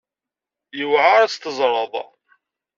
Yewεer ad tt-teẓreḍ.